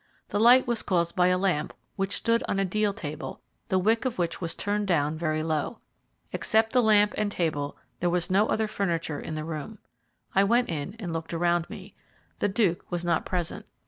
The light was caused by a lamp which stood on a deal table, the wick of which was turned down very low. Except the lamp and table there was no other furniture in the room. I went in and looked around me. The Duke was not present.